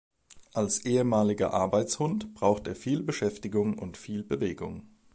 Als ehemaliger Arbeitshund braucht er Beschäftigung und viel Bewegung.